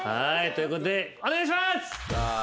ということでお願いします。